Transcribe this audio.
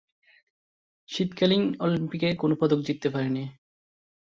শীতকালীন অলিম্পিকে কোন পদক জিততে পারেনি।